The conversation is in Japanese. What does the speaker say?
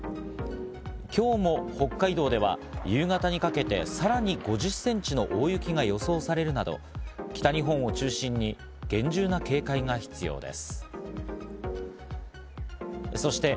今日も北海道では夕方にかけてさらに５０ｃｍの大雪が予想されるなど、北日本を中心に厳重な警戒が必要です。